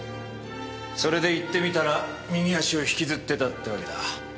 それで行ってみたら右足を引きずってたってわけだ。